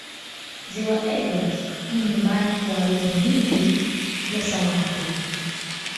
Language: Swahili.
Ziwa Edward ni nyumbani kwa aina ningi za samaki